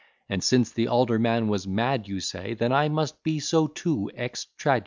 And, since the alderman was mad you say, Then I must be so too, ex traduce.